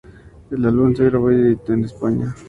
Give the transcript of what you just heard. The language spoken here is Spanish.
El álbum se grabó y editó en España.